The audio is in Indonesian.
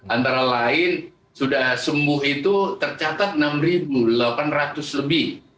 antara lain sudah sembuh itu tercatat enam delapan ratus lebih